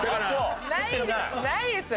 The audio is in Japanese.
ないですよ。